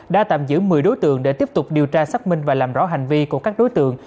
đã tạm giữ một mươi đối tượng để tiếp tục điều tra xác minh và làm rõ hành vi của các đối tượng